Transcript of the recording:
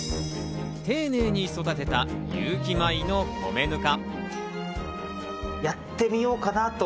丁寧に育てた有機米の米ぬか。